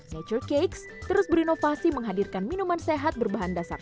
nature cakes terus berinovasi menghadirkan minuman sehat berbahan dasar